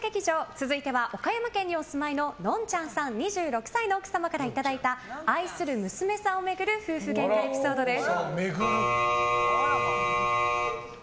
続いては、岡山県にお住いののんちゃんさん、２６歳の奥様からいただいた愛する娘さんを巡る夫婦ゲンカエピソードです。